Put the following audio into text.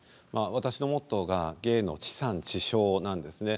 私のモットーが「芸の地産地消」なんですね。